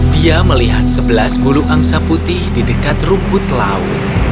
dia melihat sebelas bulung angsa putih di dekat rumput laut